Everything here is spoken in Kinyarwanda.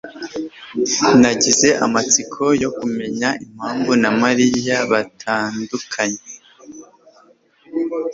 Nagize amatsiko yo kumenya impamvu na Mariya batandukanye.